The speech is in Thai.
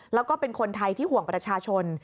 แล้วก็เป็นคนไทยที่ห่วงประชาชน